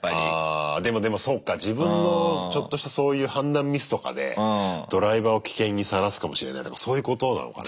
あでもでもそっか自分のちょっとしたそういう判断ミスとかでドライバーを危険にさらすかもしれないとかそういうことなのかね。